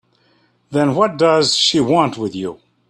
Then what does she want with you?